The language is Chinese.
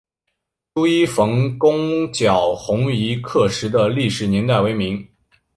朱一冯攻剿红夷刻石的历史年代为明。